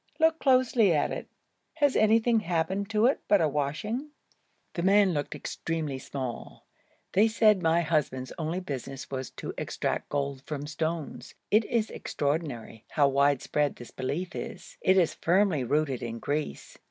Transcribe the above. Look closely at it. Has anything happened to it but a washing?' The man looked extremely small. They said my husband's only business was to extract gold from stones. It is extraordinary how widespread this belief is. It is firmly rooted in Greece.